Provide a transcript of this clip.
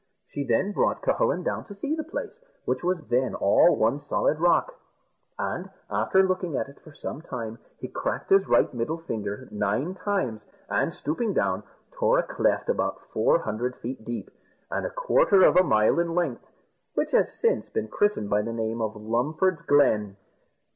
She then brought Cucullin down to see the place, which was then all one solid rock; and, after looking at it for some time, he cracked his right middle finger nine times, and, stooping down, tore a cleft about four hundred feet deep, and a quarter of a mile in length, which has since been christened by the name of Lumford's Glen.